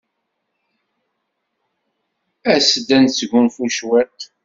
As-d ad nesgunfu cwiṭ.